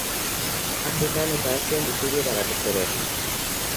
Afrikan eta Asian bizi dira batez ere.